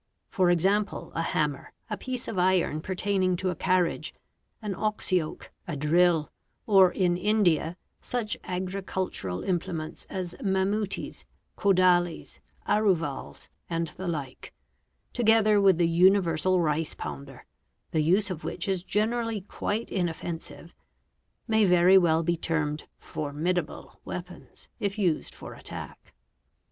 For example, a hammer, a piece of iron pertaining to a carriage, an ox yoke, a drill, or in India such agricultural implements as mamooties, Ry AB A 6 A EL AR wae Mi Pe ts Wet tot lea ; kodalies, aruvals, and the like, together with the universal rice pounder, the use of which is generally quite inoffensive, may very well be termed "formidable" weapons if used for attack.